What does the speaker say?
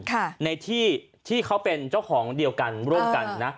ค่ะในที่ที่เขาเป็นเจ้าของเดียวกันร่วมกันนะ